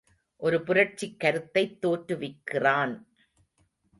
ஒரு புரட்சிக் கருத்தைத் தோற்றுவிக்கிறான்.